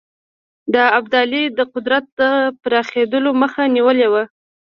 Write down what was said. د ابدالي د قدرت پراخېدلو مخه نیولې وه.